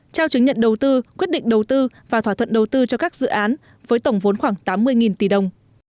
trao chứng nhận đầu tư quyết định đầu tư và thỏa thuận đầu tư cho các dự án với tổng vốn khoảng tám mươi tỷ đồng